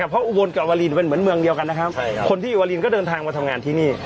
เพราะอุบลกับวาลินเป็นเหมือนเมืองเดียวกันนะครับคนที่อยู่วาลินก็เดินทางมาทำงานที่นี่